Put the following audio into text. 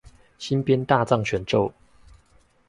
新編大藏全咒